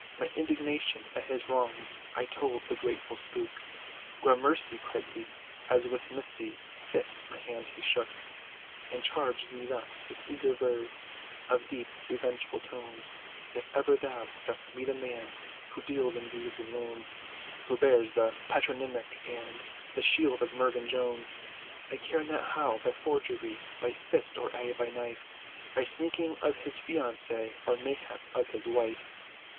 My indignation at his wrongs, I told the grateful spook: "Gramercy!" cried he, as with misty Fist, my hand he shook, And charged me thus, with eager verve, Of deep revengeful tones, "If ever thou dost meet a man, Who deals in deeds, and loans, Who bears the patronymic, and The shield, of Mervyn Jones, I care not how, by forgery! By fist, or aye by knife! By sneaking of his fiancée, Or mayhap of his wife!